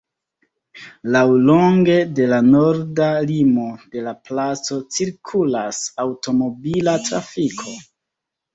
Laŭlonge de la norda limo de la placo cirkulas aŭtomobila trafiko.